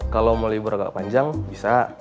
kalau mau libur agak panjang bisa